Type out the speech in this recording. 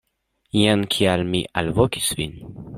Jen kial mi alvokis vin.